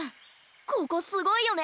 ここすごいよね！